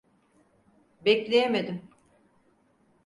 Bekleyemedim.